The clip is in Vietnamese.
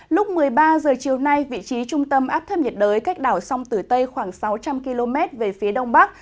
lúc một mươi ba h chiều nay vị trí trung tâm áp thấp nhiệt đới cách đảo sông tử tây khoảng sáu trăm linh km về phía đông bắc